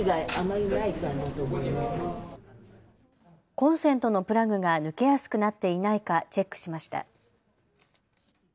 コンセントのプラグが抜けやすくなっていないかチェックしました。